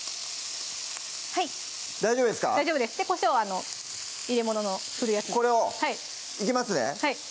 はい大丈夫ですか大丈夫ですこしょうを入れ物のこれをいきますね